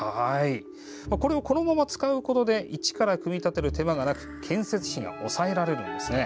これをそのまま使うことで一から組み立てる手間がなく建設費が抑えられるんですね。